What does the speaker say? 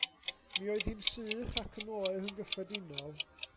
Mi oedd hi'n sych ac oer yn gyffredinol.